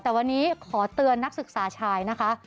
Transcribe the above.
แต่วันนี้ขอเตือนนักศึกษาชายนะคะ